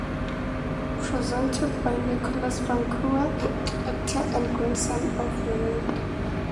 Presented by Nicholas Frankau, actor and grandson of Ronald.